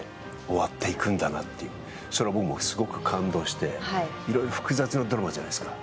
すごく感動して、いろいろ複雑なドラマじゃないですか。